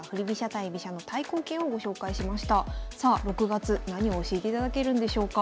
さあ６月何を教えていただけるんでしょうか？